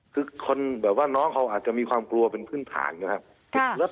คือคนแบบว่าน้องเขาอาจจะมีความกลัวเป็นพื้นฐานนะครับ